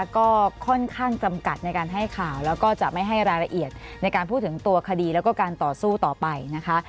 ก็ค่อนข้างจำกัดในการให้ข่าวแล้วก็จะไม่ให้รายละเอียดในการพูดถึงตัวคดีแล้วก็การต่อสู้ต่อไปนะคะ